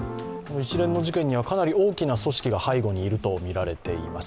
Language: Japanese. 一連の事件にはかなり大きな組織が背後にいると思われます。